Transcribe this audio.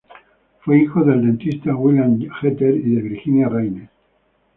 Fue hijo del dentista William Jeter y de Virginia Raines.